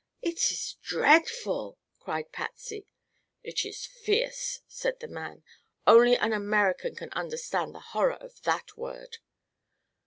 "It is dreadful!" cried Patsy. "It is fierce," said the man. "Only an American can understand the horror of that word."